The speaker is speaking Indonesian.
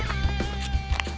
nonton dulu yuk